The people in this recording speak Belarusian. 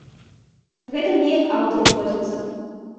Гэта мне як аўтару хочацца.